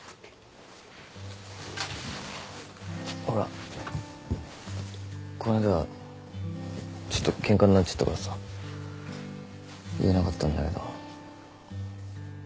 ほらこの間はちょっとケンカになっちゃったからさ言えなかったんだけど。